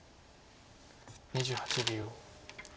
２８秒。